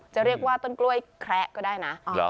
จะเรียกว่าต้นกล้วยแคระก็ได้นะ